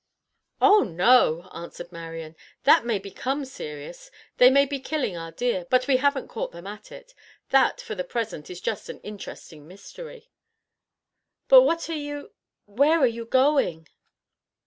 "Oh, no!" answered Marian. "That may become serious. They may be killing our deer, but we haven't caught them at it. That, for the present, is just an interesting mystery." "But what are you—where are you going?"